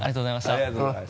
ありがとうございます。